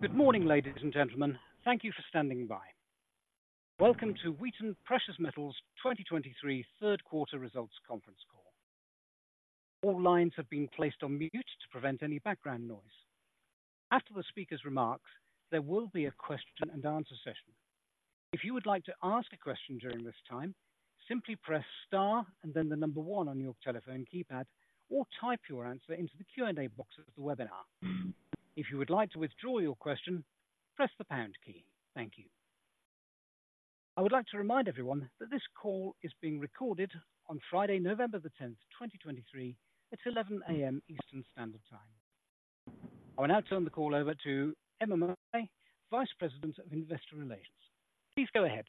Good morning, ladies and gentlemen. Thank you for standing by. Welcome to Wheaton Precious Metals 2023 third quarter results conference call. All lines have been placed on mute to prevent any background noise. After the speaker's remarks, there will be a question and answer session. If you would like to ask a question during this time, simply press star and then the number one on your telephone keypad, or type your answer into the Q&A box of the webinar. If you would like to withdraw your question, press the pound key. Thank you. I would like to remind everyone that this call is being recorded on Friday, November 10, 2023 at 11 A.M. Eastern Standard Time. I will now turn the call over to Emma Murray, Vice President of Investor Relations. Please go ahead.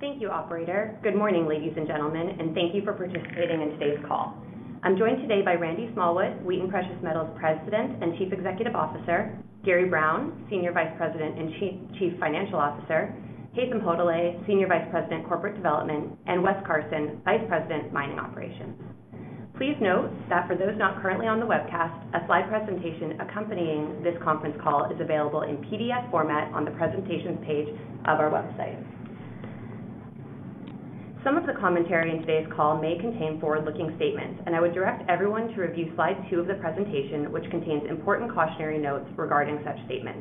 Thank you, operator. Good morning, ladies and gentlemen, and thank you for participating in today's call. I'm joined today by Randy Smallwood, Wheaton Precious Metals President and Chief Executive Officer, Gary Brown, Senior Vice President and Chief Financial Officer, Haytham Hodaly, Senior Vice President, Corporate Development, and Wes Carson, Vice President, Mining Operations. Please note that for those not currently on the webcast, a slide presentation accompanying this conference call is available in PDF format on the presentations page of our website. Some of the commentary in today's call may contain forward-looking statements, and I would direct everyone to review slide two of the presentation, which contains important cautionary notes regarding such statements.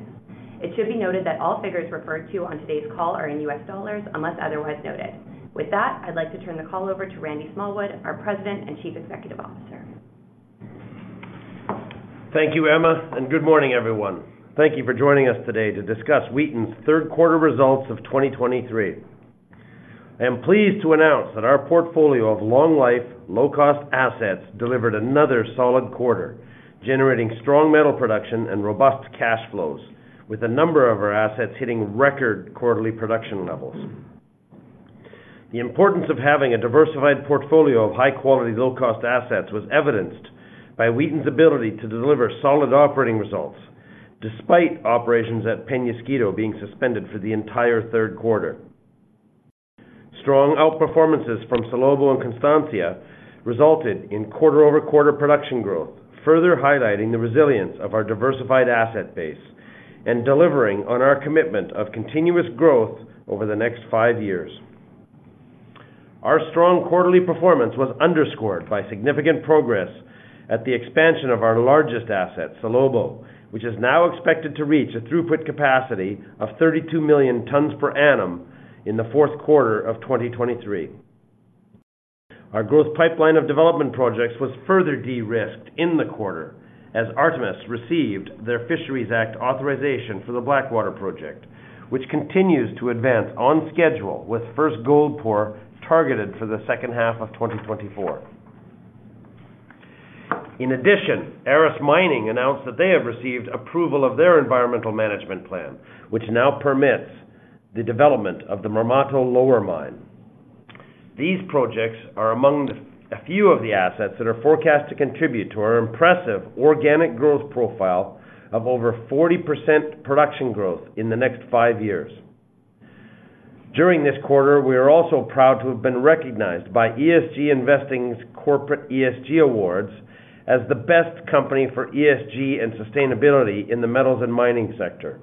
It should be noted that all figures referred to on today's call are in U.S. dollars, unless otherwise noted. With that, I'd like to turn the call over to Randy Smallwood, our President and Chief Executive Officer. Thank you, Emma, and good morning, everyone. Thank you for joining us today to discuss Wheaton's third quarter results of 2023. I am pleased to announce that our portfolio of long life, low-cost assets delivered another solid quarter, generating strong metal production and robust cash flows, with a number of our assets hitting record quarterly production levels. The importance of having a diversified portfolio of high quality, low-cost assets was evidenced by Wheaton's ability to deliver solid operating results, despite operations at Peñasquito being suspended for the entire third quarter. Strong outperformance from Salobo and Constancia resulted in quarter-over-quarter production growth, further highlighting the resilience of our diversified asset base and delivering on our commitment of continuous growth over the next five years. Our strong quarterly performance was underscored by significant progress at the expansion of our largest asset, Salobo, which is now expected to reach a throughput capacity of 32 million tons per annum in the fourth quarter of 2023. Our growth pipeline of development projects was further de-risked in the quarter as Artemis received their Fisheries Act authorization for the Blackwater project, which continues to advance on schedule, with first gold pour targeted for the second half of 2024. In addition, Aris Mining announced that they have received approval of their environmental management plan, which now permits the development of the Marmato Lower Mine. These projects are among a few of the assets that are forecast to contribute to our impressive organic growth profile of over 40% production growth in the next five years. During this quarter, we are also proud to have been recognized by ESG Investing's Corporate ESG Awards as the best company for ESG and sustainability in the metals and mining sector.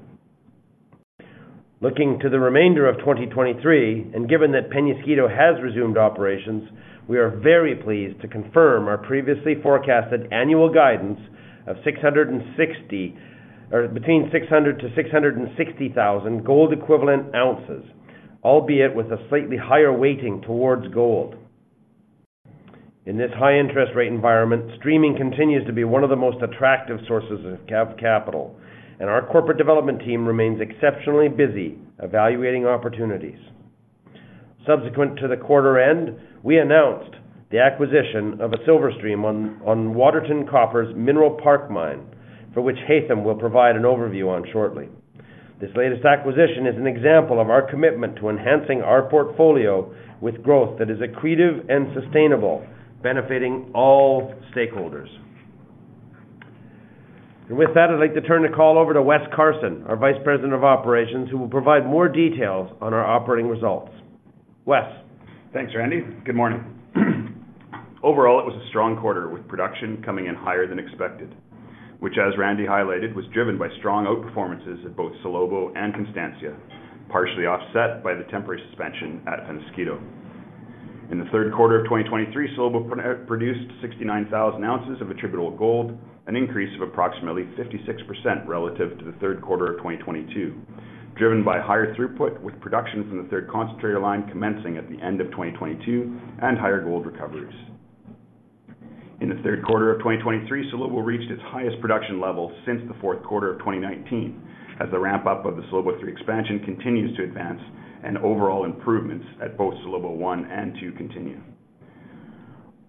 Looking to the remainder of 2023, and given that Peñasquito has resumed operations, we are very pleased to confirm our previously forecasted annual guidance of 600,000-660,000 gold equivalent ounces, albeit with a slightly higher weighting towards gold. In this high interest rate environment, streaming continues to be one of the most attractive sources of capital, and our corporate development team remains exceptionally busy evaluating opportunities. Subsequent to the quarter end, we announced the acquisition of a silver stream on Waterton Copper's Mineral Park Mine, for which Haytham will provide an overview on shortly. This latest acquisition is an example of our commitment to enhancing our portfolio with growth that is accretive and sustainable, benefiting all stakeholders. With that, I'd like to turn the call over to Wes Carson, our Vice President of Operations, who will provide more details on our operating results. Wes? Thanks, Randy. Good morning. Overall, it was a strong quarter, with production coming in higher than expected, which, as Randy highlighted, was driven by strong outperformances at both Salobo and Constancia, partially offset by the temporary suspension at Peñasquito. In the third quarter of 2023, Salobo produced 69,000 ounces of attributable gold, an increase of approximately 56% relative to the third quarter of 2022, driven by higher throughput, with production from the third concentrator line commencing at the end of 2022 and higher gold recoveries. In the third quarter of 2023, Salobo reached its highest production level since the fourth quarter of 2019, as the ramp-up of the Salobo 3 expansion continues to advance and overall improvements at both Salobo 1 and 2 continue.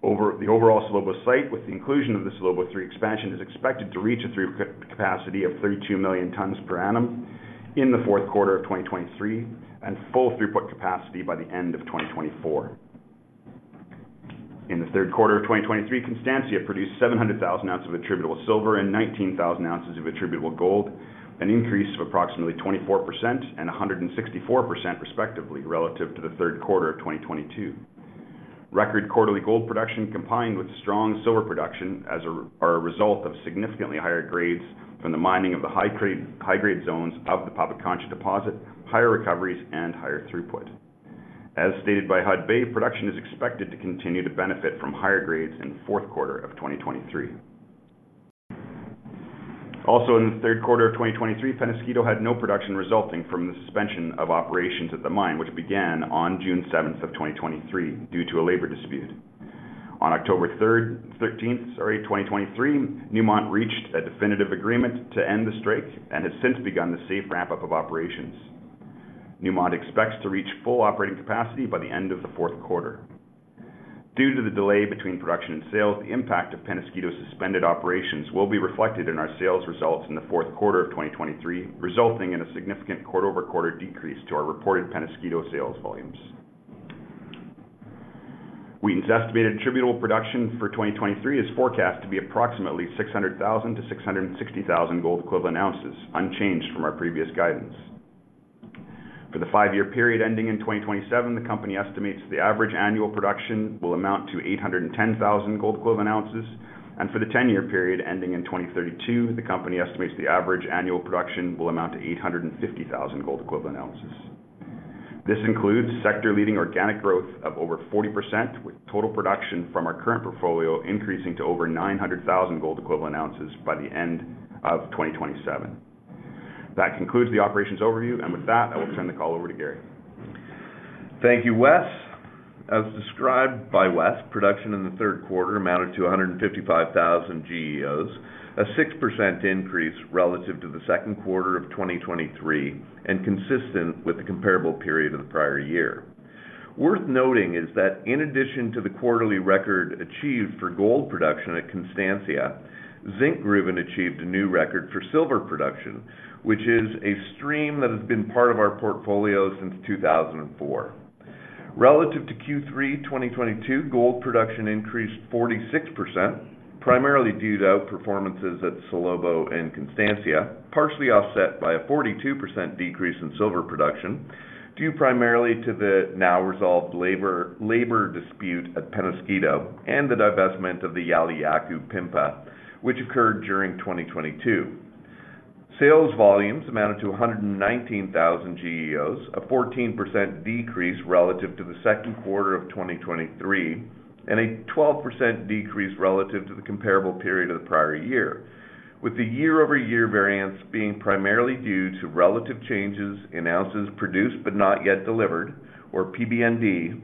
The overall Salobo site, with the inclusion of the Salobo 3 expansion, is expected to reach a throughput capacity of 32 million tons per annum in the fourth quarter of 2023, and full throughput capacity by the end of 2024. In the third quarter of 2023, Constancia produced 700,000 ounces of attributable silver and 19,000 ounces of attributable gold, an increase of approximately 24% and 164% respectively relative to the third quarter of 2022. Record quarterly gold production, combined with strong silver production as a result of significantly higher grades from the mining of the high-grade zones of the Pampacancha deposit, higher recoveries, and higher throughput. As stated by Hudbay, production is expected to continue to benefit from higher grades in the fourth quarter of 2023. Also, in the third quarter of 2023, Peñasquito had no production resulting from the suspension of operations at the mine, which began on June 7th of 2023, due to a labor dispute. On October 13th, sorry, 2023, Newmont reached a definitive agreement to end the strike and has since begun the safe ramp-up of operations. Newmont expects to reach full operating capacity by the end of the fourth quarter. Due to the delay between production and sales, the impact of Peñasquito's suspended operations will be reflected in our sales results in the fourth quarter of 2023, resulting in a significant quarter-over-quarter decrease to our reported Peñasquito sales volumes. Wheaton's estimated attributable production for 2023 is forecast to be approximately 600,000-660,000 gold equivalent ounces, unchanged from our previous guidance. For the five-year period ending in 2027, the company estimates the average annual production will amount to 810,000 gold equivalent ounces, and for the ten-year period ending in 2032, the company estimates the average annual production will amount to 850,000 gold equivalent ounces. This includes sector-leading organic growth of over 40%, with total production from our current portfolio increasing to over 900,000 gold equivalent ounces by the end of 2027. That concludes the operations overview. And with that, I will turn the call over to Gary. Thank you, Wes. As described by Wes, production in the third quarter amounted to 155,000 GEOs, a 6% increase relative to the second quarter of 2023, and consistent with the comparable period of the prior year. Worth noting is that in addition to the quarterly record achieved for gold production at Constancia, Zinkgruvan achieved a new record for silver production, which is a stream that has been part of our portfolio since 2004. Relative to Q3 2022, gold production increased 46%, primarily due to performances at Salobo and Constancia, partially offset by a 42% decrease in silver production, due primarily to the now-resolved labor dispute at Peñasquito and the divestment of the Yauliyacu, which occurred during 2022. Sales volumes amounted to 119,000 GEOs, a 14% decrease relative to the second quarter of 2023, and a 12% decrease relative to the comparable period of the prior year, with the year-over-year variance being primarily due to relative changes in ounces produced but not yet delivered, or PBND,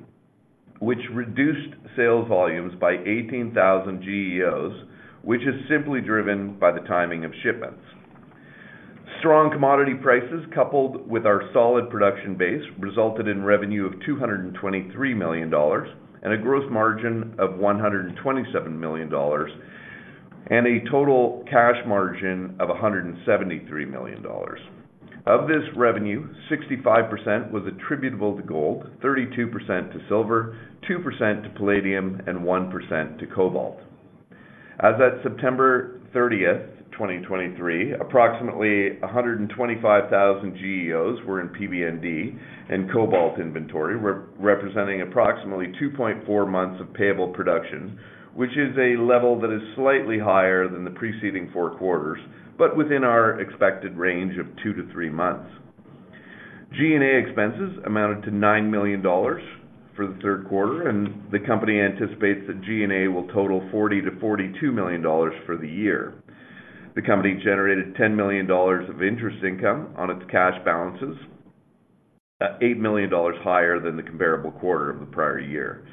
which reduced sales volumes by 18,000 GEOs, which is simply driven by the timing of shipments. Strong commodity prices, coupled with our solid production base, resulted in revenue of $223 million and a gross margin of $127 million, and a total cash margin of $173 million. Of this revenue, 65% was attributable to gold, 32% to silver, 2% to palladium, and 1% to cobalt. As at September 30, 2023, approximately 125,000 GEOs were in PBND and cobalt inventory, representing approximately 2.4 months of payable production, which is a level that is slightly higher than the preceding four quarters, but within our expected range of two to three months. G&A expenses amounted to $9 million for the third quarter, and the company anticipates that G&A will total $40 million-$42 million for the year. The company generated $10 million of interest income on its cash balances, eight million dollars higher than the comparable quarter of the prior year.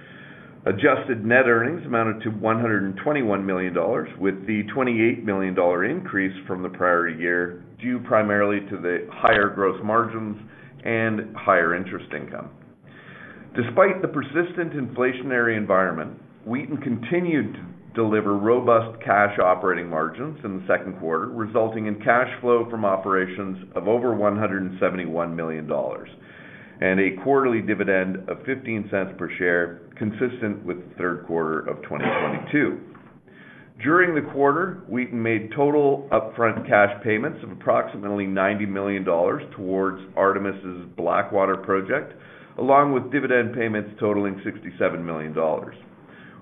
Adjusted net earnings amounted to $121 million, with the $28 million increase from the prior year due primarily to the higher gross margins and higher interest income. Despite the persistent inflationary environment, Wheaton continued to deliver robust cash operating margins in the second quarter, resulting in cash flow from operations of over $171 million, and a quarterly dividend of $0.15 per share, consistent with the third quarter of 2022. During the quarter, Wheaton made total upfront cash payments of approximately $90 million towards Artemis' Blackwater project, along with dividend payments totaling $67 million.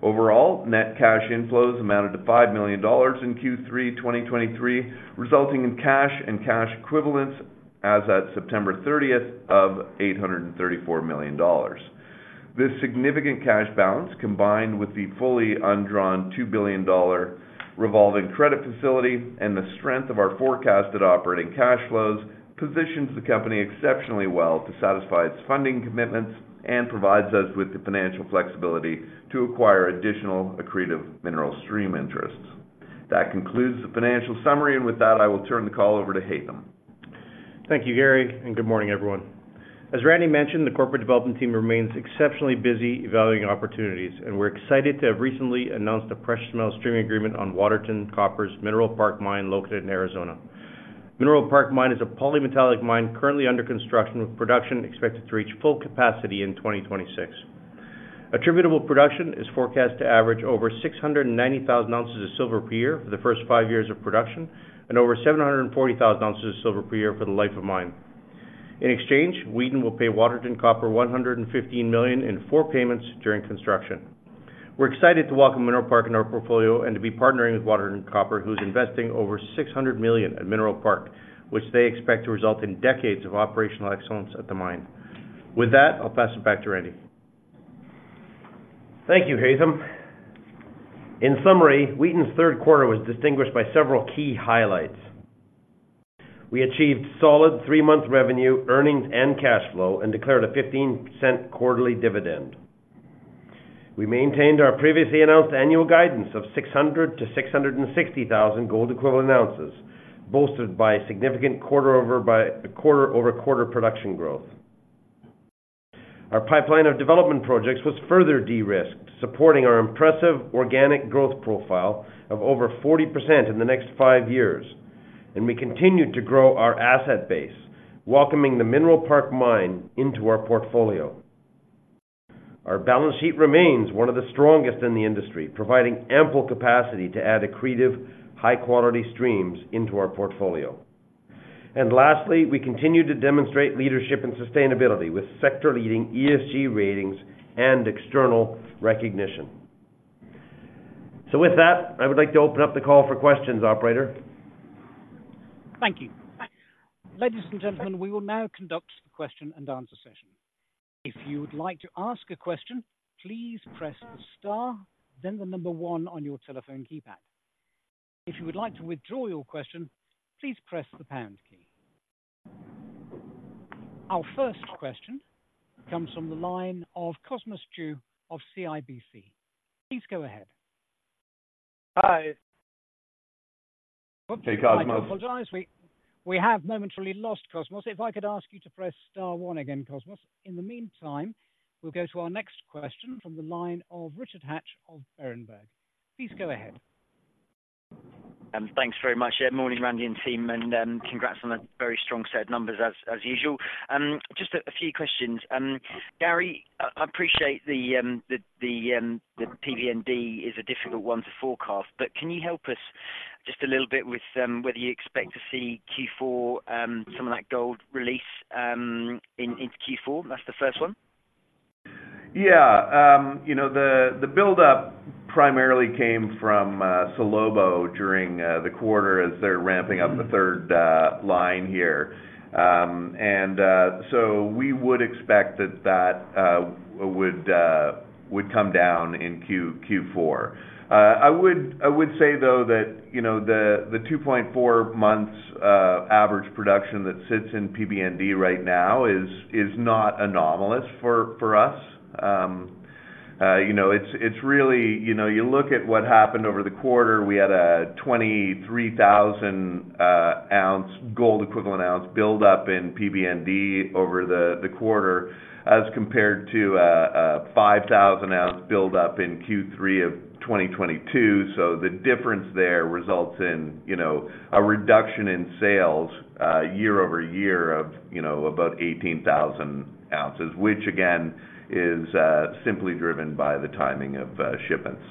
Overall, net cash inflows amounted to $5 million in Q3 2023, resulting in cash and cash equivalents as at September 30th of $834 million. This significant cash balance, combined with the fully undrawn $2 billion revolving credit facility and the strength of our forecasted operating cash flows, positions the company exceptionally well to satisfy its funding commitments and provides us with the financial flexibility to acquire additional accretive mineral stream interests. That concludes the financial summary. With that, I will turn the call over to Haytham. Thank you, Gary, and good morning, everyone. As Randy mentioned, the corporate development team remains exceptionally busy evaluating opportunities, and we're excited to have recently announced a fresh metal streaming agreement on Waterton Copper's Mineral Park Mine, located in Arizona. Mineral Park Mine is a polymetallic mine currently under construction, with production expected to reach full capacity in 2026. Attributable production is forecast to average over 690,000 ounces of silver per year for the first five years of production and over 740,000 ounces of silver per year for the life of mine. In exchange, Wheaton will pay Waterton Copper $115 million in four payments during construction. We're excited to welcome Mineral Park in our portfolio and to be partnering with Waterton Copper, who's investing over $600 million at Mineral Park, which they expect to result in decades of operational excellence at the mine. With that, I'll pass it back to Randy. Thank you, Haytham. In summary, Wheaton's third quarter was distinguished by several key highlights. We achieved solid three-month revenue, earnings, and cash flow, and declared a $0.15 quarterly dividend. We maintained our previously announced annual guidance of 600,000-660,000 gold equivalent ounces, bolstered by significant quarter-over-quarter production growth. Our pipeline of development projects was further de-risked, supporting our impressive organic growth profile of over 40% in the next five years, and we continued to grow our asset base, welcoming the Mineral Park Mine into our portfolio. Our balance sheet remains one of the strongest in the industry, providing ample capacity to add accretive, high-quality streams into our portfolio. And lastly, we continue to demonstrate leadership and sustainability, with sector-leading ESG ratings and external recognition. So with that, I would like to open up the call for questions, operator. Thank you. Ladies and gentlemen, we will now conduct the question-and-answer session. If you would like to ask a question, please press star then the number one on your telephone keypad. If you would like to withdraw your question, please press the pound key. Our first question comes from the line of Cosmos Chiu of CIBC. Please go ahead. Hi. Hey, Cosmos. I apologize. We have momentarily lost Cosmos. If I could ask you to press star one again, Cosmos. In the meantime, we'll go to our next question from the line of Richard Hatch of Berenberg. Please go ahead. Thanks very much. Yeah, morning, Randy and team, and congrats on a very strong set of numbers as usual. Just a few questions. Gary, I appreciate the PBND is a difficult one to forecast, but can you help us just a little bit with whether you expect to see Q4 some of that gold release into Q4? That's the first one. Yeah, you know, the buildup primarily came from Salobo during the quarter as they're ramping up the third line here. So we would expect that would come down in Q4. I would say, though, that you know, the 2.4 months average production that sits in PBND right now is not anomalous for us. You know, it's really... You know, you look at what happened over the quarter, we had a 23,000 ounce gold equivalent ounce buildup in PBND over the quarter, as compared to a 5,000 ounce buildup in Q3 of 2022.So the difference there results in, you know, a reduction in sales year-over-year of, you know, about 18,000 ounces, which again is simply driven by the timing of shipments.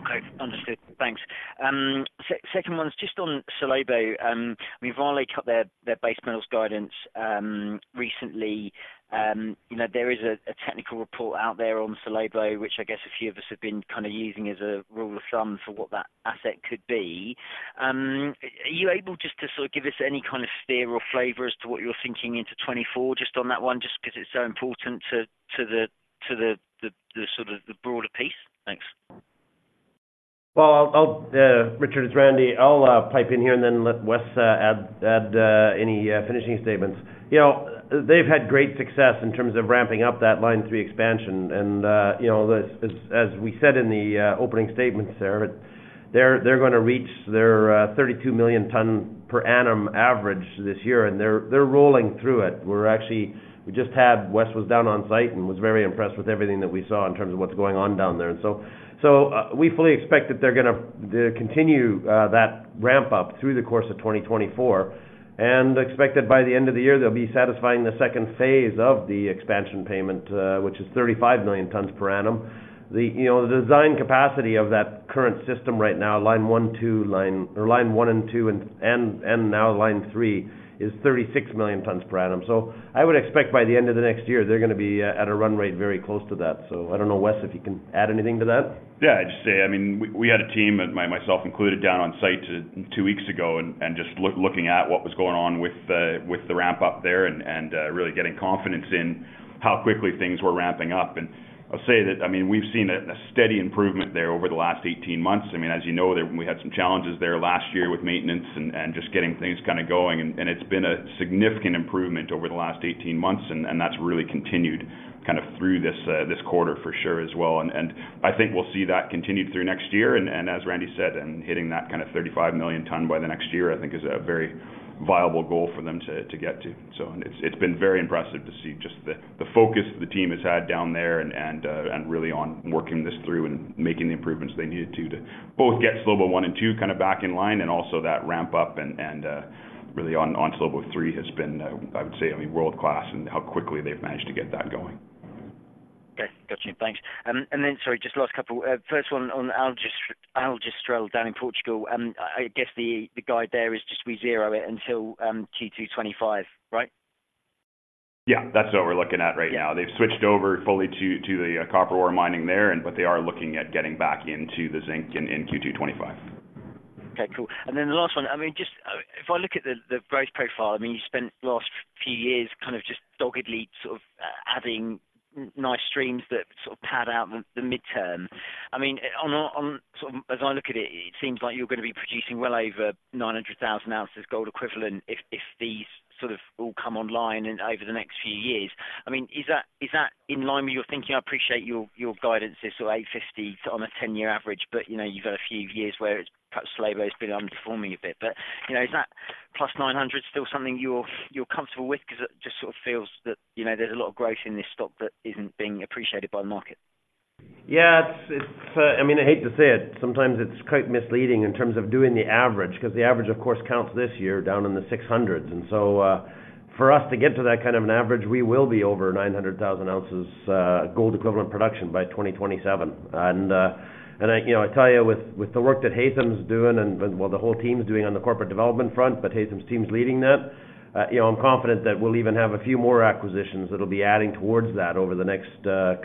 Okay, understood. Thanks. Second one is just on Salobo. We've only cut their base metals guidance recently. You know, there is a technical report out there on Salobo, which I guess a few of us have been kind of using as a rule of thumb for what that asset could be. Are you able just to sort of give us any kind of sphere or flavor as to what you're thinking into 2024, just on that one, just because it's so important to the sort of the broader piece? Thanks. Well, I'll, Richard, it's Randy. I'll pipe in here and then let Wes add any finishing statements. You know, they've had great success in terms of ramping up that line three expansion, and, you know, as we said in the opening statements, Sarah, they're gonna reach their 32 million tons per annum average this year, and they're rolling through it. We're actually. We just had... Wes was down on site and was very impressed with everything that we saw in terms of what's going on down there. And so, we fully expect that they're gonna continue that ramp up through the course of 2024, and expect that by the end of the year, they'll be satisfying the second phase of the expansion payment, which is 35 million tons per annum. You know, the design capacity of that current system right now, line one, two, line—or line one and two, and, and, and now line three, is 36 million tons per annum. So I would expect by the end of the next year, they're gonna be at a run rate very close to that. So I don't know, Wes, if you can add anything to that? Yeah, I'd just say, I mean, we had a team, and myself included, down on site two weeks ago, and just looking at what was going on with the ramp-up there and really getting confidence in how quickly things were ramping up. And I'll say that, I mean, we've seen a steady improvement there over the last 18 months. I mean, as you know, there, we had some challenges there last year with maintenance and just getting things kind of going, and it's been a significant improvement over the last 18 months, and that's really continued kind of through this quarter for sure as well. And I think we'll see that continue through next year. As Randy said, hitting that kind of 35 million ton by the next year, I think is a very viable goal for them to get to. So it's been very impressive to see just the focus the team has had down there and really on working this through and making the improvements they needed to both get Salobo one and two kind of back in line, and also that ramp up and really on Salobo 3 has been, I would say, I mean, world-class and how quickly they've managed to get that going. ... Okay, got you. Thanks. And then, sorry, just last couple. First one on Aljustrel down in Portugal, I guess the guide there is just we zero it until Q2 2025, right? Yeah, that's what we're looking at right now. Yeah. They've switched over fully to the copper ore mining there, and but they are looking at getting back into the zinc in Q2 2025. Okay, cool. And then the last one, I mean, just if I look at the growth profile, I mean, you spent the last few years kind of just doggedly sort of adding nice streams that sort of pad out the midterm. I mean, on sort of as I look at it, it seems like you're going to be producing well over 900,000 ounces gold equivalent if these sort of all come online over the next few years. I mean, is that in line with your thinking? I appreciate your guidance is sort of 850,000 on a 10-year average, but you know, you've got a few years where it's perhaps Salobo's been underperforming a bit. But you know, is that plus 900,000 still something you're comfortable with? Because it just sort of feels that, you know, there's a lot of growth in this stock that isn't being appreciated by the market. Yeah, it's, I mean, I hate to say it, sometimes it's quite misleading in terms of doing the average, because the average, of course, counts this year down in the 600,000. And so, for us to get to that kind of an average, we will be over 900,000 ounces, gold equivalent production by 2027. And, and I, you know, I tell you with, with the work that Haytham's doing and, well, the whole team is doing on the corporate development front, but Haytham's team's leading that, you know, I'm confident that we'll even have a few more acquisitions that'll be adding towards that over the next,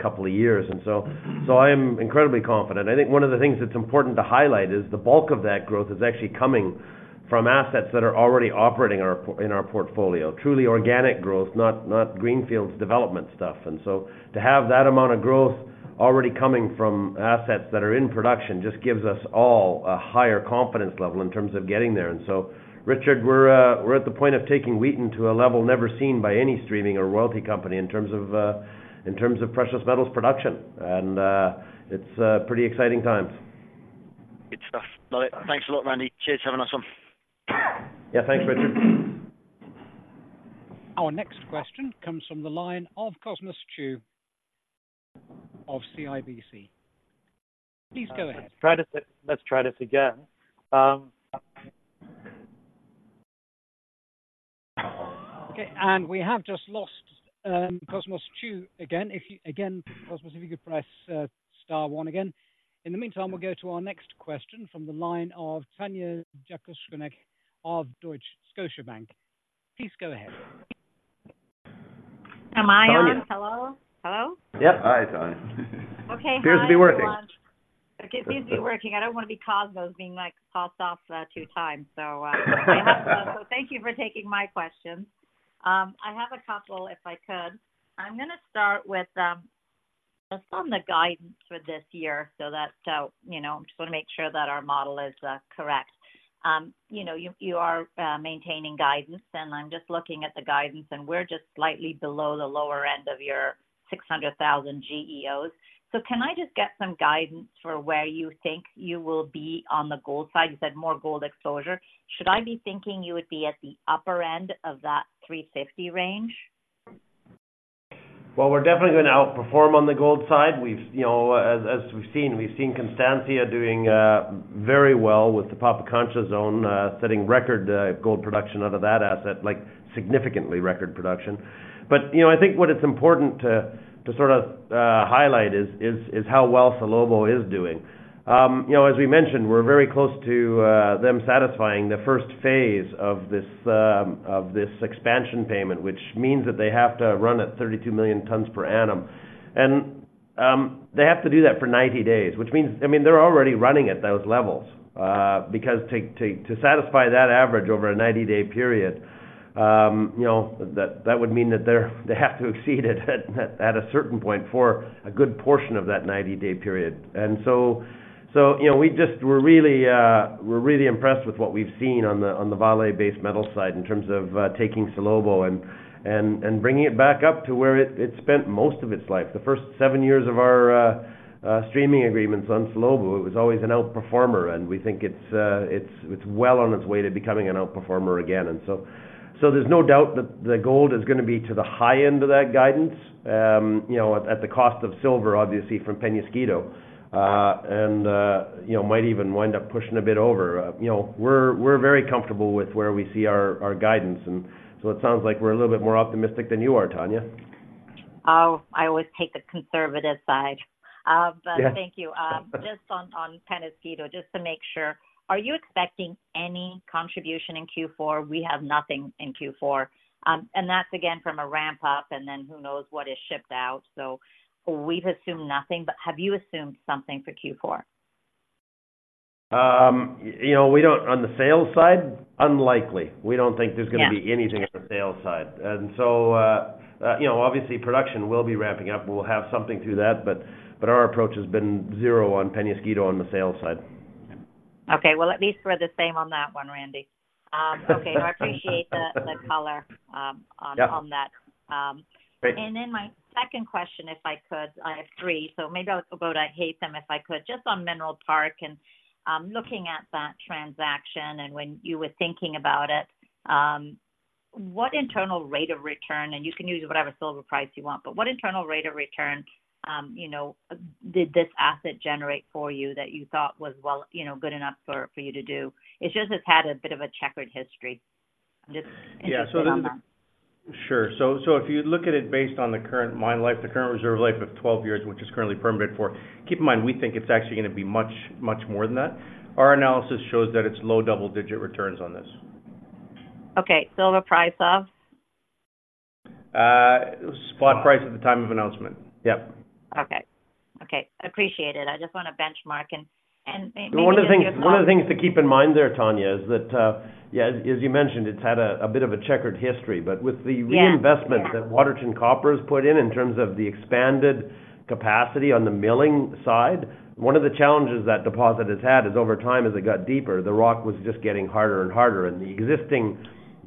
couple of years. And so, so I am incredibly confident. I think one of the things that's important to highlight is the bulk of that growth is actually coming from assets that are already operating in our portfolio. Truly organic growth, not greenfields development stuff. And so to have that amount of growth already coming from assets that are in production just gives us all a higher confidence level in terms of getting there. And so, Richard, we're at the point of taking Wheaton to a level never seen by any streaming or royalty company in terms of precious metals production. And, it's pretty exciting times. Good stuff. Love it. Thanks a lot, Randy. Cheers. Have a nice one. Yeah, thanks, Richard. Our next question comes from the line of Cosmos Chiu of CIBC. Please go ahead. Try this... Let's try this again. Okay, and we have just lost, Cosmos Chiu again. If you, again, Cosmos, if you could press, star one again. In the meantime, we'll go to our next question from the line of Tanya Jakusconek of Scotiabank. Please go ahead. Am I on? Hello? Hello? Yep. Hi, Tanya. Okay, hi, everyone. Seems to be working. It seems to be working. I don't want to be Cosmos being, like, tossed off, two times. So, so thank you for taking my questions. I have a couple, if I could. I'm going to start with, just on the guidance for this year, so that, you know, just want to make sure that our model is, correct. You know, you, you are, maintaining guidance, and I'm just looking at the guidance, and we're just slightly below the lower end of your 600,000 GEOs. So can I just get some guidance for where you think you will be on the gold side? You said more gold exposure. Should I be thinking you would be at the upper end of that 350,000 range? Well, we're definitely going to outperform on the gold side. We've, you know, as, as we've seen, we've seen Constancia doing very well with the Pampacancha zone, setting record gold production out of that asset, like significantly record production. But, you know, I think what it's important to sort of highlight is how well Salobo is doing. You know, as we mentioned, we're very close to them satisfying the first phase of this, of this expansion payment, which means that they have to run at 32 million tons per annum. And they have to do that for 90 days, which means, I mean, they're already running at those levels, because to satisfy that average over a 90-day period, you know, that would mean that they're they have to exceed it at a certain point for a good portion of that 90-day period. And so, you know, we just we're really, we're really impressed with what we've seen on the Vale Base Metals side in terms of taking Salobo and bringing it back up to where it spent most of its life. The first seven years of our streaming agreements on Salobo, it was always an outperformer, and we think it's well on its way to becoming an outperformer again. And so there's no doubt that the gold is going to be to the high end of that guidance, you know, at the cost of silver, obviously, from Peñasquito, and you know, might even wind up pushing a bit over. You know, we're very comfortable with where we see our guidance, and so it sounds like we're a little bit more optimistic than you are, Tanya. Oh, I always take the conservative side. Yeah.... but thank you. Just on Peñasquito, just to make sure, are you expecting any contribution in Q4? We have nothing in Q4. And that's again, from a ramp up, and then who knows what is shipped out. So we've assumed nothing, but have you assumed something for Q4? You know, we don't, on the sales side, unlikely. We don't think there's- Yeah... going to be anything on the sales side. And so, you know, obviously, production will be ramping up. We'll have something through that, but, our approach has been zero on Peñasquito on the sales side. Okay, well, at least we're the same on that one, Randy. Okay, I appreciate the color. Yep... on that. Great. And then my second question, if I could. I have three, so maybe I'll go to Haytham, if I could. Just on Mineral Park and, looking at that transaction and when you were thinking about it, what internal rate of return, and you can use whatever silver price you want, but what internal rate of return, you know, did this asset generate for you that you thought was well, you know, good enough for, for you to do? It just has had a bit of a checkered history.... Yeah, so then, sure. So, so if you look at it based on the current mine life, the current reserve life of 12 years, which is currently permitted for, keep in mind, we think it's actually going to be much, much more than that. Our analysis shows that it's low double-digit returns on this. Okay. Silver price of? Spot price at the time of announcement. Yep. Okay. Okay, appreciate it. I just want to benchmark and maybe get your thoughts- One of the things, one of the things to keep in mind there, Tanya, is that, yeah, as you mentioned, it's had a, a bit of a checkered history, but with the- Yeah, yeah... reinvestment that Waterton Copper has put in, in terms of the expanded capacity on the milling side, one of the challenges that deposit has had is over time, as it got deeper, the rock was just getting harder and harder, and the existing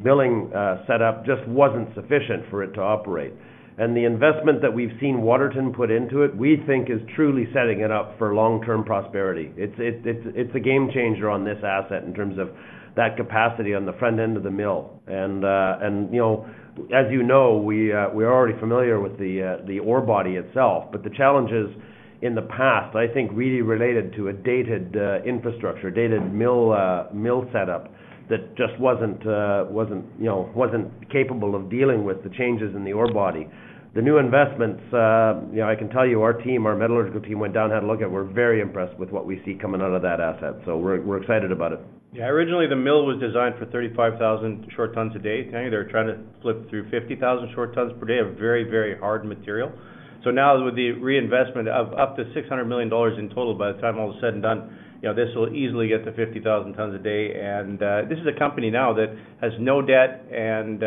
milling setup just wasn't sufficient for it to operate. The investment that we've seen Waterton put into it, we think is truly setting it up for long-term prosperity. It's a game changer on this asset in terms of that capacity on the front end of the mill. And, and, you know, as you know, we, we're already familiar with the, the ore body itself, but the challenges in the past, I think, really related to a dated, infrastructure, dated mill, mill setup that just wasn't, wasn't, you know, wasn't capable of dealing with the changes in the ore body. The new investments, you know, I can tell you, our team, our metallurgical team, went down, had a look at, we're very impressed with what we see coming out of that asset. So we're, we're excited about it. Yeah. Originally, the mill was designed for 35,000 short tons a day. They're trying to flip through 50,000 short tons per day of very, very hard material. So now with the reinvestment of up to $600 million in total, by the time all is said and done, you know, this will easily get to 50,000 tons a day. And, this is a company now that has no debt and,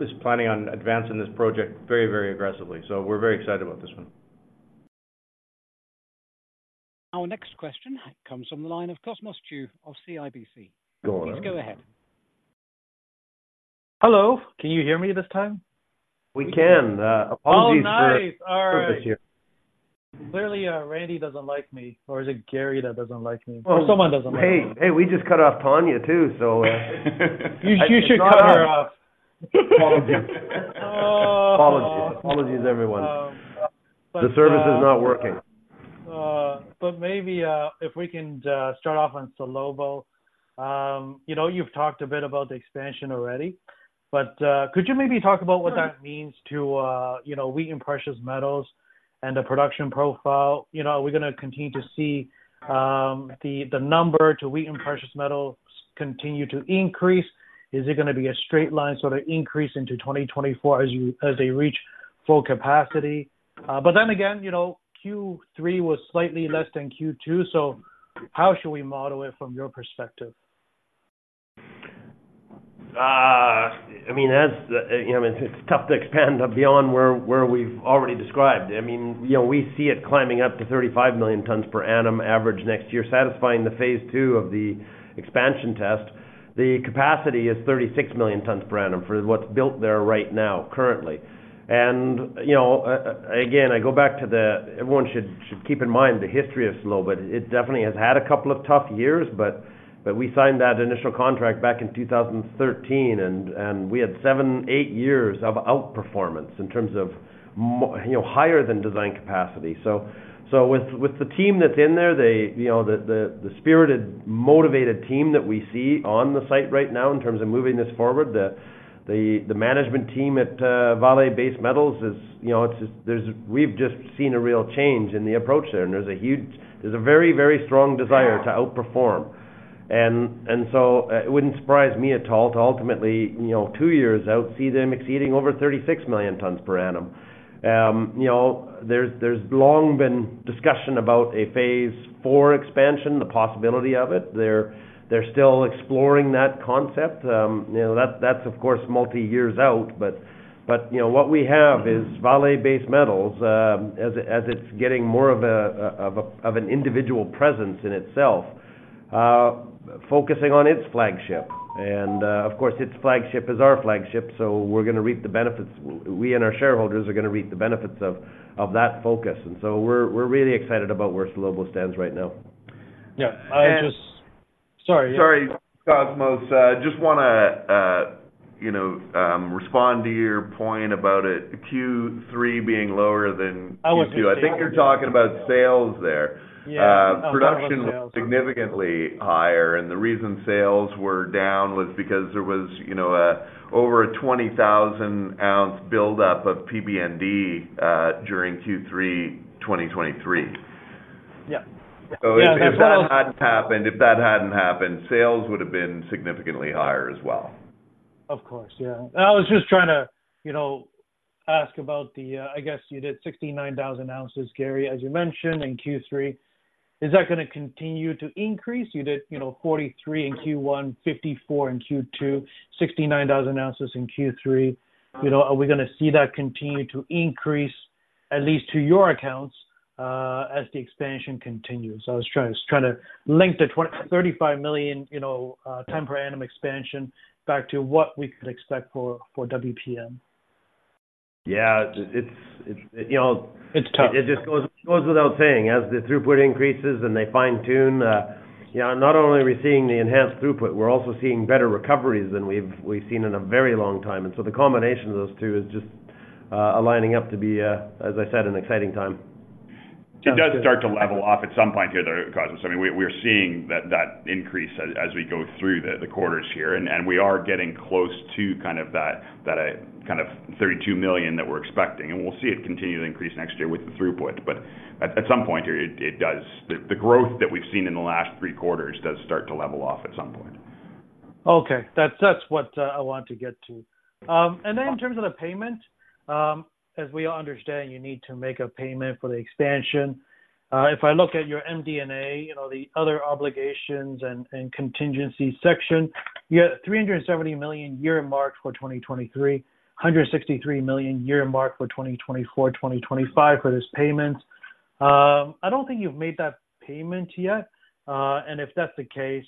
is planning on advancing this project very, very aggressively. So we're very excited about this one. Our next question comes from the line of Cosmos Chiu of CIBC. Go on. Please go ahead. Hello. Can you hear me this time? We can, apologies for- Oh, nice. All right. - apologies here. Clearly, Randy doesn't like me, or is it Gary that doesn't like me? Someone doesn't like me. Hey, hey, we just cut off Tanya, too, so... You should cut her off. Apologies, everyone. Um, uh- The service is not working. But maybe if we can start off on Salobo. You know, you've talked a bit about the expansion already, but could you maybe talk about what that means to, you know, Wheaton in precious metals and the production profile? You know, are we gonna continue to see the number to Wheaton in precious metals continue to increase? Is it gonna be a straight line sort of increase into 2024 as they reach full capacity? But then again, you know, Q3 was slightly less than Q2, so how should we model it from your perspective? I mean, as you know, it's tough to expand beyond where we've already described. I mean, you know, we see it climbing up to 35 million tons per annum average next year, satisfying the phase two of the expansion test. The capacity is 36 million tons per annum for what's built there right now, currently. You know, again, I go back to the... Everyone should keep in mind the history of Salobo. It definitely has had a couple of tough years, but we signed that initial contract back in 2013, and we had seven, eight years of outperformance in terms of you know, higher than design capacity. With the team that's in there, you know, the spirited, motivated team that we see on the site right now in terms of moving this forward, the management team at Vale Base Metals is, you know, it's just, there's, we've just seen a real change in the approach there, and there's a huge, there's a very, very strong desire to outperform. So, it wouldn't surprise me at all to ultimately, you know, two years out, see them exceeding over 36 million tons per annum. You know, there's long been discussion about a phase four expansion, the possibility of it. They're still exploring that concept. You know, that's of course, multi-years out. But you know, what we have is Vale Base Metals, as it's getting more of an individual presence in itself, focusing on its flagship. And of course, its flagship is our flagship, so we're going to reap the benefits. We and our shareholders are going to reap the benefits of that focus. And so we're really excited about where Salobo stands right now. Yeah, I just- And- Sorry. Sorry, Cosmos. I just wanna, you know, respond to your point about it, Q3 being lower than Q2. I was just- I think you're talking about sales there. Yeah, talking about sales. Production was significantly higher, and the reason sales were down was because there was, you know, a, over a 20,000 ounce buildup of PBND during Q3 2023. Yeah. If that hadn't happened, if that hadn't happened, sales would have been significantly higher as well. Of course. Yeah. I was just trying to, you know, ask about the, I guess you did 69,000 ounces, Gary, as you mentioned in Q3. Is that gonna continue to increase? You did, you know, 43 in Q1, 54 in Q2, 69,000 ounces in Q3. You know, are we gonna see that continue to increase, at least to your accounts, as the expansion continues? I was trying to link the 20 million-35 million, you know, ton per annum expansion back to what we could expect for, for WPM. Yeah, you know- It's tough. It just goes without saying, as the throughput increases and they fine-tune, you know, not only are we seeing the enhanced throughput, we're also seeing better recoveries than we've seen in a very long time. And so the combination of those two is just aligning up to be, as I said, an exciting time.... It does start to level off at some point here, though, Cosmos. I mean, we're seeing that increase as we go through the quarters here, and we are getting close to kind of that 32 million that we're expecting, and we'll see it continue to increase next year with the throughput. But at some point here, it does—the growth that we've seen in the last three quarters does start to level off at some point. Okay. That's, that's what I want to get to. And then in terms of the payment, as we all understand, you need to make a payment for the expansion. If I look at your MD&A, you know, the other obligations and contingency section, you have $370 million earmark for 2023, $363 million earmark for 2024, 2025 for this payment. I don't think you've made that payment yet. And if that's the case,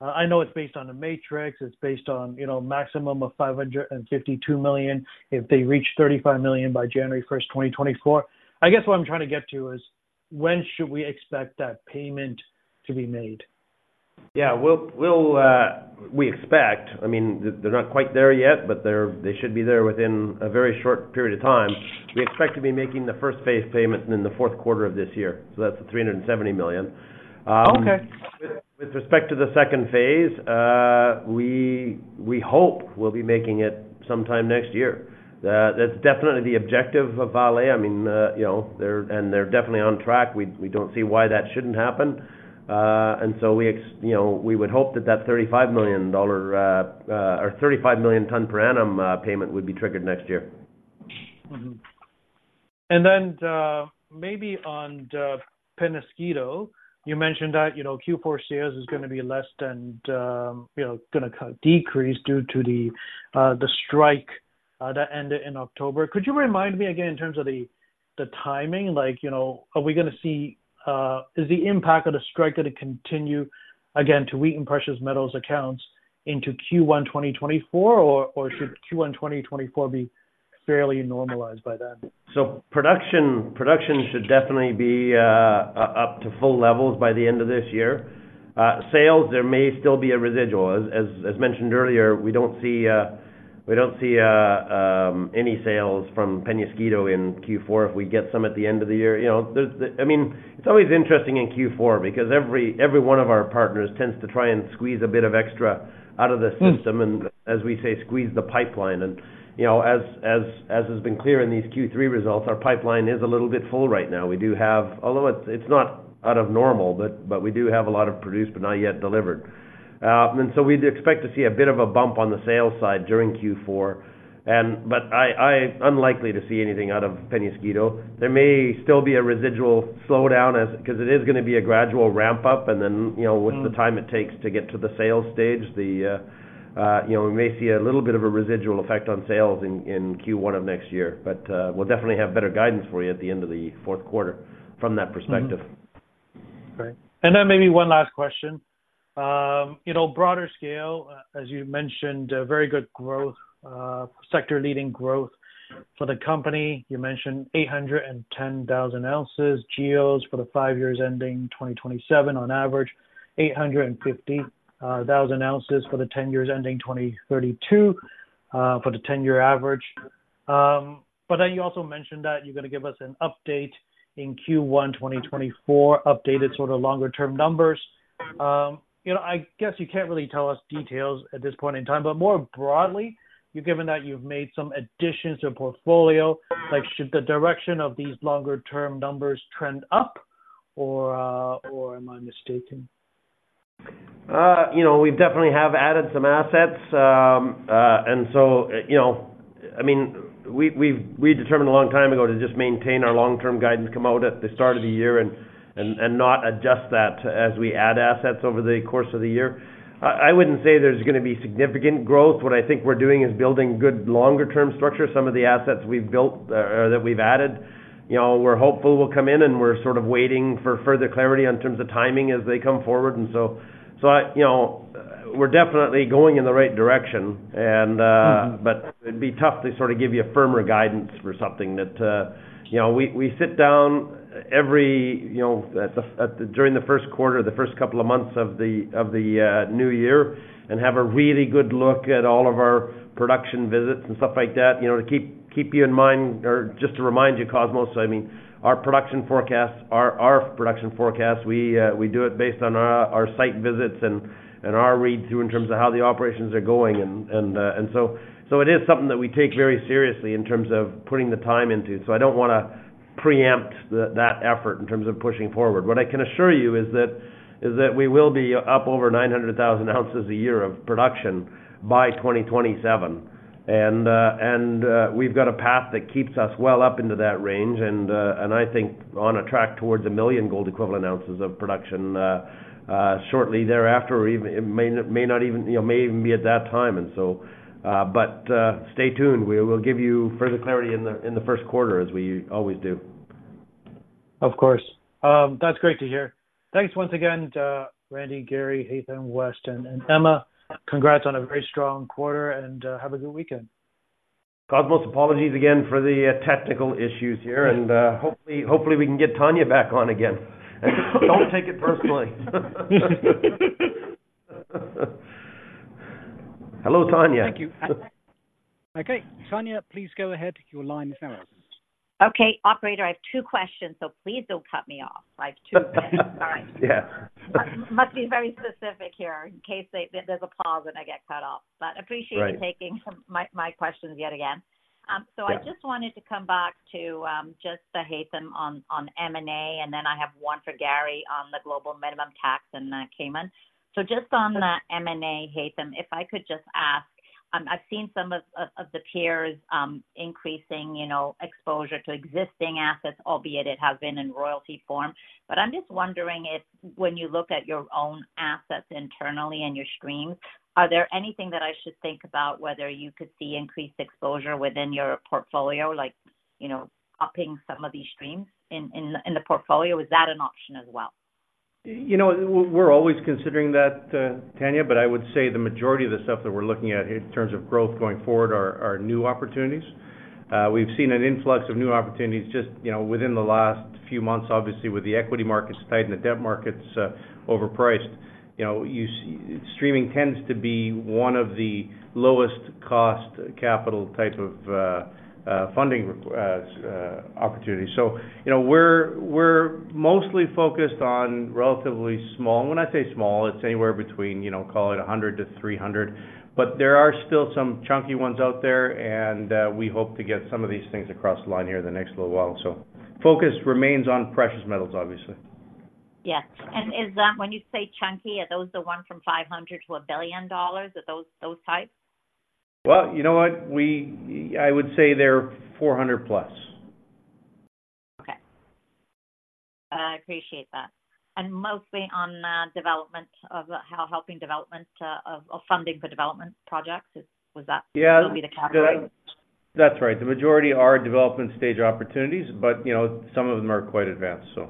I know it's based on the matrix, it's based on, you know, maximum of $552 million, if they reach 35 million by January 1, 2024. I guess what I'm trying to get to is: when should we expect that payment to be made? Yeah. We expect... I mean, they're not quite there yet, but they should be there within a very short period of time. We expect to be making the first phase payment in the fourth quarter of this year, so that's the $370 million. Okay. With respect to the second phase, we hope we'll be making it sometime next year. That's definitely the objective of Vale. I mean, you know, they're and they're definitely on track. We don't see why that shouldn't happen. And so, you know, we would hope that that $35 million or 35 million ton per annum payment would be triggered next year. Mm-hmm. And then, maybe on the Peñasquito, you mentioned that, you know, Q4 sales is gonna be less than, you know, gonna kind of decrease due to the, the strike, that ended in October. Could you remind me again in terms of the, the timing? Like, you know, are we gonna see... Is the impact of the strike going to continue again, to weaken precious metals accounts into Q1 2024, or, or should Q1 2024 be fairly normalized by then? So production, production should definitely be up to full levels by the end of this year. Sales, there may still be a residual. As mentioned earlier, we don't see any sales from Peñasquito in Q4 if we get some at the end of the year. You know, there's the—I mean, it's always interesting in Q4 because every one of our partners tends to try and squeeze a bit of extra out of the system- Hmm. And, as we say, squeeze the pipeline. And, you know, as has been clear in these Q3 results, our pipeline is a little bit full right now. We do have... Although it's not out of normal, but we do have a lot of produced, but not yet delivered. And so we'd expect to see a bit of a bump on the sales side during Q4. But unlikely to see anything out of Peñasquito. There may still be a residual slowdown as, because it is gonna be a gradual ramp-up, and then, you know- Hmm... with the time it takes to get to the sales stage, you know, we may see a little bit of a residual effect on sales in Q1 of next year. But we'll definitely have better guidance for you at the end of the fourth quarter from that perspective. Mm-hmm. Great. And then maybe one last question. You know, broader scale, as you mentioned, a very good growth, sector-leading growth for the company. You mentioned 810,000 ounces GEOs for the five years ending 2027, on average 850,000 ounces for the ten years ending 2032, for the ten-year average. But then you also mentioned that you're gonna give us an update in Q1 2024, updated sort of longer-term numbers. You know, I guess you can't really tell us details at this point in time, but more broadly, you've given that you've made some additions to your portfolio, like, should the direction of these longer-term numbers trend up, or, or am I mistaken? You know, we definitely have added some assets. And so, you know, I mean, we've determined a long time ago to just maintain our long-term guidance, come out at the start of the year and not adjust that as we add assets over the course of the year. I wouldn't say there's gonna be significant growth. What I think we're doing is building good longer-term structure. Some of the assets we've built, or that we've added, you know, we're hopeful will come in, and we're sort of waiting for further clarity in terms of timing as they come forward. And so I, you know, we're definitely going in the right direction and. Mm-hmm... but it'd be tough to sort of give you a firmer guidance for something that, you know, we sit down every, you know, at the during the first quarter, the first couple of months of the new year, and have a really good look at all of our production visits and stuff like that, you know, to keep you in mind, or just to remind you, Cosmos, I mean, our production forecasts, we do it based on our site visits and so it is something that we take very seriously in terms of putting the time into. So I don't wanna preempt that effort in terms of pushing forward. What I can assure you is that we will be up over 900,000 ounces a year of production by 2027. And we've got a path that keeps us well up into that range, and I think on a track towards a million gold equivalent ounces of production, shortly thereafter, or even it may not, may not even, you know, may even be at that time. And so, but, stay tuned. We will give you further clarity in the first quarter, as we always do. Of course. That's great to hear. Thanks once again, Randy, Gary, Haytham, Wes, and Emma. Congrats on a very strong quarter, and have a good weekend. Cosmos, apologies again for the technical issues here, and hopefully, hopefully, we can get Tanya back on again. Don't take it personally.... Hello, Tanya. Thank you. Okay, Tanya, please go ahead. Your line is now open. Okay, operator, I have two questions, so please don't cut me off. I have two. Sorry. Yeah. Must be very specific here in case there's a pause, and I get cut off. Right. Appreciate you taking my questions yet again. Yeah. So I just wanted to come back to just to Haytham on M&A, and then I have one for Gary on the global minimum tax in Cayman. So just on the M&A, Haytham, if I could just ask, I've seen some of the peers increasing, you know, exposure to existing assets, albeit it has been in royalty form. But I'm just wondering if when you look at your own assets internally and your streams, are there anything that I should think about whether you could see increased exposure within your portfolio, like, you know, upping some of these streams in the portfolio? Is that an option as well? You know, we're always considering that, Tanya, but I would say the majority of the stuff that we're looking at in terms of growth going forward are new opportunities. We've seen an influx of new opportunities just, you know, within the last few months, obviously, with the equity markets tight and the debt markets overpriced. You know, streaming tends to be one of the lowest cost capital type of funding opportunity. So, you know, we're mostly focused on relatively small... When I say small, it's anywhere between, you know, call it 100-300, but there are still some chunky ones out there, and we hope to get some of these things across the line here in the next little while. So focus remains on precious metals, obviously. Yes. And is that when you say chunky, are those the one from $500 million-$1 billion? Are those types? Well, you know what? We, I would say they're $400 million+. Okay. I appreciate that. And mostly on, development of how helping development, of, of funding for development projects, is, was that- Yeah. Would be the category? That's right. The majority are development stage opportunities, but, you know, some of them are quite advanced, so.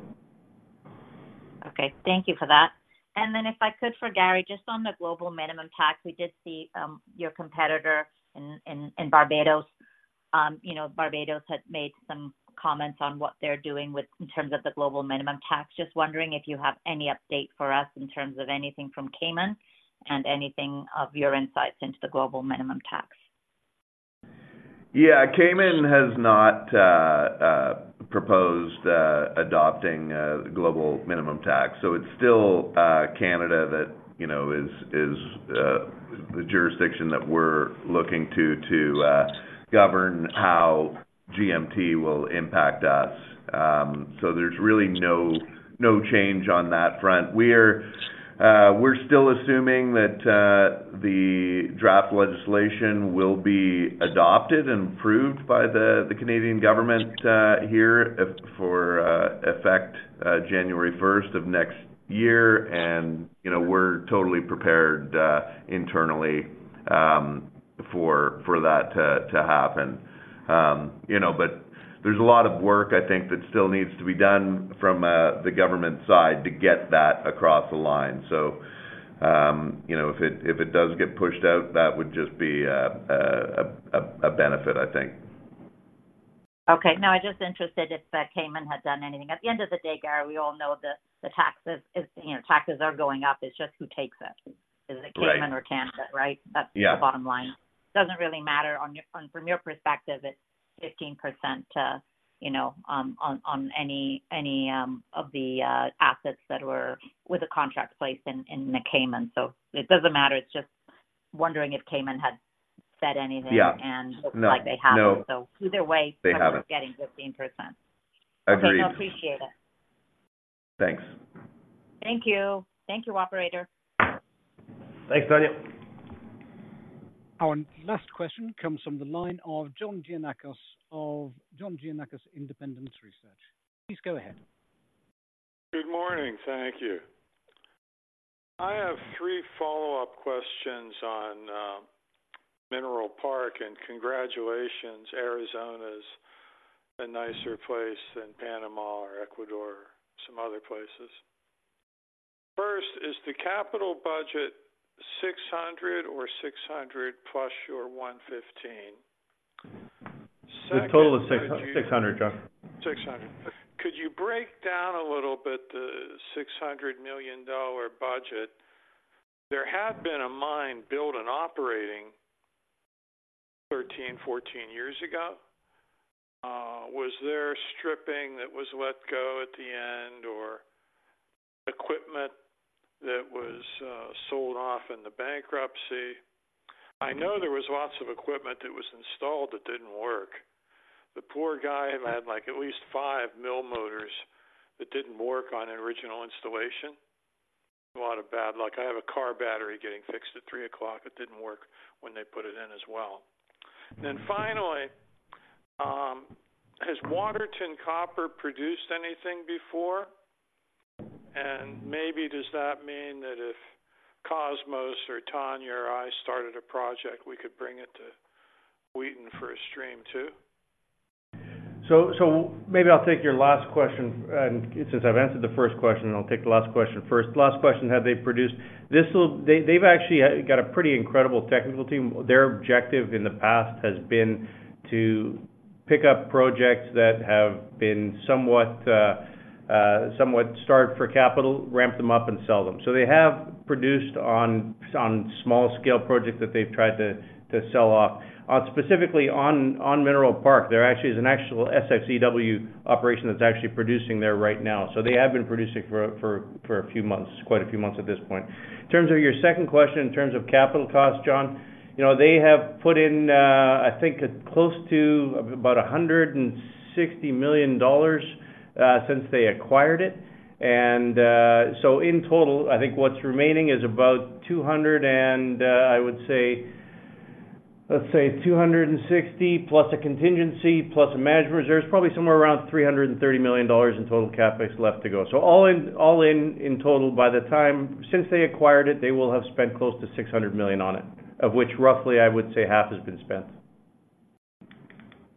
Okay, thank you for that. And then if I could, for Gary, just on the global minimum tax, we did see your competitor in Barbados. You know, Barbados had made some comments on what they're doing in terms of the global minimum tax. Just wondering if you have any update for us in terms of anything from Cayman and anything of your insights into the global minimum tax. Yeah. Cayman has not proposed adopting global minimum tax, so it's still Canada that, you know, is the jurisdiction that we're looking to govern how GMT will impact us. So there's really no change on that front. We're still assuming that the draft legislation will be adopted and approved by the Canadian government here for effect January first of next year. And, you know, we're totally prepared internally for that to happen. You know, but there's a lot of work, I think, that still needs to be done from the government side to get that across the line. So, you know, if it does get pushed out, that would just be a benefit, I think. Okay. No, I'm just interested if Cayman had done anything. At the end of the day, Gary, we all know the taxes is, you know, taxes are going up. It's just who takes it. Right. Is it Cayman or Canada, right? Yeah. That's the bottom line. Doesn't really matter on your-- from your perspective, it's 15%, you know, on any of the assets that were with the contract placed in the Cayman. So it doesn't matter. It's just wondering if Cayman had said anything- Yeah. It looks like they haven't. No. So either way- They haven't... You're getting 15%. Agreed. I appreciate it. Thanks. Thank you. Thank you, operator. Thanks, Tanya. Our last question comes from the line of John Giannakas of John Giannakakis Independent Research. Please go ahead. Good morning. Thank you. I have three follow-up questions on Mineral Park, and congratulations, Arizona's a nicer place than Panama or Ecuador, some other places. First, is the capital budget $600 or $600+ your $115? The total is $600, John. $600. Could you break down a little bit the $600 million budget? There had been a mine built and operating 13, 14 years ago. Was there stripping that was let go at the end, or equipment that was sold off in the bankruptcy? I know there was lots of equipment that was installed that didn't work. The poor guy had, like, at least five mill motors that didn't work on the original installation. A lot of bad luck. I have a car battery getting fixed at 3:00 P.M. It didn't work when they put it in as well. Then finally, has Waterton Copper produced anything before? And maybe does that mean that if Cosmos or Tanya or I started a project, we could bring it to Wheaton for a stream too? So maybe I'll take your last question. And since I've answered the first question, I'll take the last question first. Last question, have they produced? They, they've actually got a pretty incredible technical team. Their objective in the past has been to pick up projects that have been somewhat starved for capital, ramp them up and sell them. So they have produced on small scale projects that they've tried to sell off. Specifically, on Mineral Park, there actually is an actual SX/EW operation that's actually producing there right now. So they have been producing for a few months, quite a few months at this point. In terms of your second question, in terms of capital costs, John, you know, they have put in, I think, close to about $160 million, since they acquired it. So in total, I think what's remaining is about $200 million and, I would say, let's say $260 million+ a contingency, plus a management reserve. It's probably somewhere around $330 million in total CapEx left to go. So all in, all in, in total, by the time since they acquired it, they will have spent close to $600 million on it, of which roughly I would say half has been spent.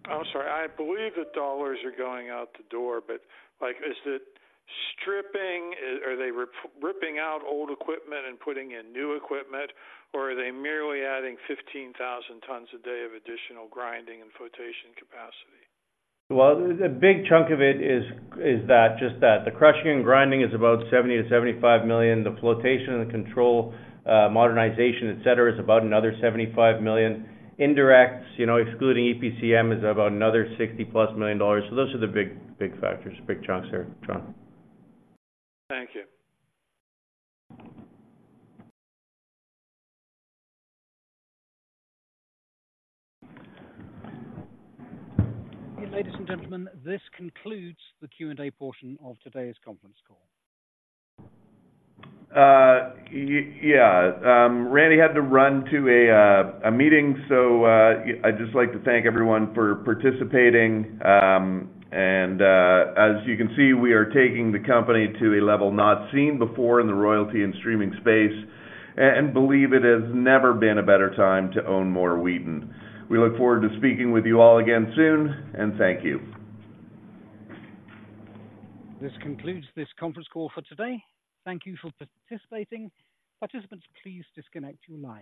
I'm sorry. I believe the dollars are going out the door, but, like, is it stripping? Are they ripping out old equipment and putting in new equipment? Or are they merely adding 15,000 tons a day of additional grinding and flotation capacity? Well, a big chunk of it is, is that, just that. The crushing and grinding is about $70 million-$75 million. The flotation and the control, modernization, et cetera, is about another $75 million. Indirects, you know, excluding EPCM, is about another $60+ million. So those are the big, big factors, big chunks there, John. Thank you. Ladies and gentlemen, this concludes the Q&A portion of today's conference call. Yeah, Randy had to run to a meeting, so I'd just like to thank everyone for participating. As you can see, we are taking the company to a level not seen before in the royalty and streaming space, and believe it has never been a better time to own more Wheaton. We look forward to speaking with you all again soon, and thank you. This concludes this conference call for today. Thank you for participating. Participants, please disconnect your line.